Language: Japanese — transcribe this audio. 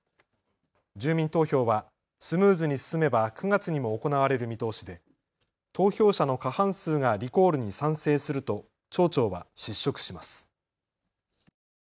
住民投票はスムーズに進めば９月にも行われる見通しで投票者の過半数がリコールに賛成すると町長は失職します。